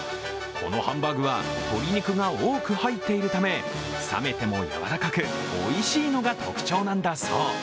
このハンバーグは鶏肉が多く入っているため冷めてもやわらかく、おいしいのが特徴なんだそう。